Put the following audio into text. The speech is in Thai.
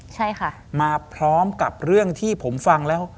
ใช่ค่ะมาพร้อมกับเรื่องที่ผมฟังแล้ว